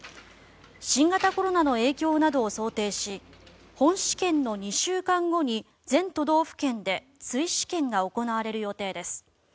新型コロナの影響などを想定し本試験の２週間後に全都道府県で追試験が行われる予定です。